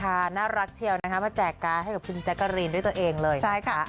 น่ารักเชียวนะคะมาแจกการ์ดให้กับคุณแจ๊กกะรีนด้วยตัวเองเลยนะคะ